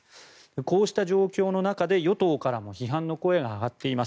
こうした状況の中で与党からも批判の声が上がっています。